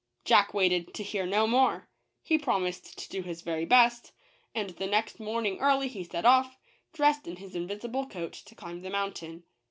Jack wanted to hear no more. He promised to do his very best, and the next morning early he set off, dressed in his invisible coat, to climb the mountain.